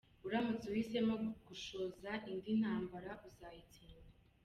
Uramutse uhisemo gushoza indi intambara uzayitsindwa.